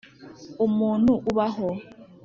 umuntu ubaho.